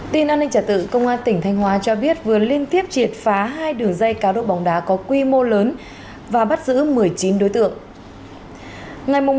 tin an ninh trả tự công an tỉnh thanh hóa cho biết vừa liên tiếp triệt phá hai đường dây cá độ bóng đá có quy mô lớn và bắt giữ một mươi chín đối tượng